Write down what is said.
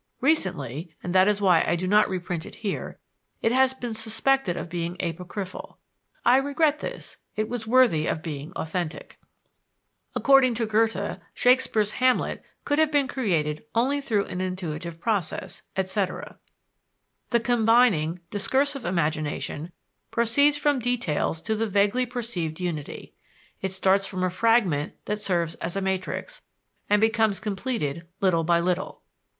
Recently (and that is why I do not reprint it here) it has been suspected of being apocryphal. I regret this it was worthy of being authentic. According to Goethe, Shakespeare's Hamlet could have been created only through an intuitive process, etc. The combining, discursive imagination proceeds from details to the vaguely perceived unity. It starts from a fragment that serves as a matrix, and becomes completed little by little.